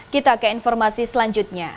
kita ke informasi selanjutnya